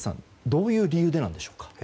どういう理由でなんでしょうか。